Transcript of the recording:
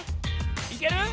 いける？